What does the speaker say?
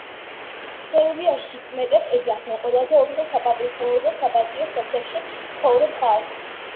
სერბიაში კმეტებს ეძახდნენ ყველაზე უფრო საპატივცემულო და საპატიო სოფლებში მცხოვრებ ხალხს.